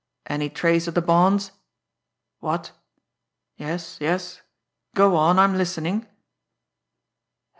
"Any trace of the bonds? ... What? ... Yes, yes; go on, I'm listening!